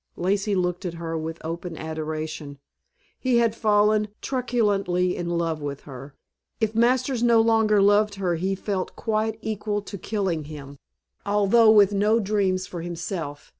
Lacey looked at her with open adoration; he had fallen truculently in love with her. If Masters no longer loved her he felt quite equal to killing him, although with no dreams for himself.